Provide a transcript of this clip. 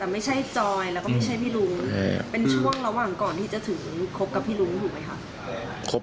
มีเรื่องระหว่างก่อนที่จะถึงครบกับพี่รุ้งถูกไหมครับ